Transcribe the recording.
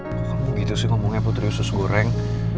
kok kamu gitu sih ngomongnya putri usus goreng